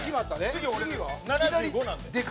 次俺１７５なんで。